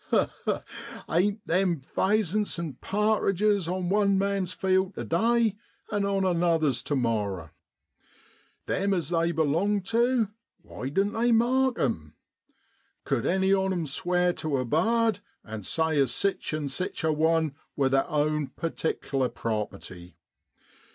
ha! ha! ain't them phaysents an' pa'tridges on one man's field tu day, and on another's tu morrow ? Them as they belong tu, why doan't they mark 'em ? Cud any on 'em sware tu a bard, and say as sich an' sich a one wor theer own pertikler property